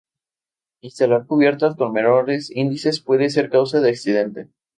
Instalar cubiertas con menores índices puede ser causa de accidente.